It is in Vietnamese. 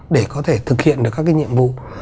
để có thể thực hiện được các cái nhiệm vụ